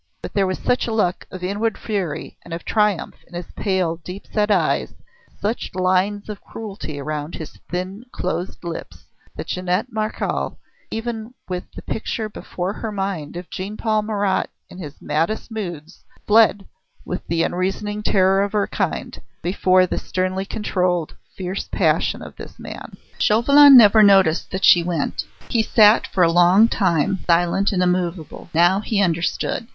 But there was such a look of inward fury and of triumph in his pale, deep set eyes, such lines of cruelty around his thin, closed lips, that Jeannette Marechal, even with the picture before her mind of Jean Paul Marat in his maddest moods, fled, with the unreasoning terror of her kind, before the sternly controlled, fierce passion of this man. Chauvelin never noticed that she went. He sat for a long time, silent and immovable. Now he understood.